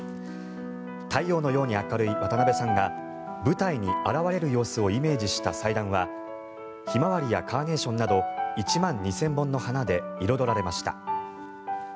太陽のように明るい渡辺さんが舞台に現れる様子をイメージした祭壇はヒマワリやカーネーションなど１万２０００本の花で彩られました。